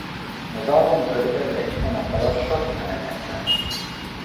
Az album körülbelül egy hónap alatt platinalemez lett.